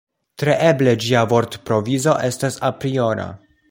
Tre eble ĝia vortprovizo estas apriora.